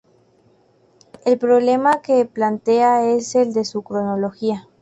El problema que plantean es el de su cronología.